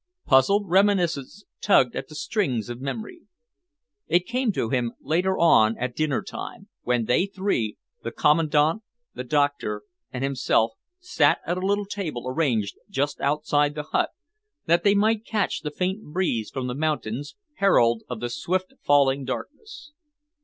Puzzled reminiscence tugged at the strings of memory. It came to him later on at dinner time, when they three, the Commandant, the doctor and himself, sat at a little table arranged just outside the hut, that they might catch the faint breeze from the mountains, herald of the swift falling darkness.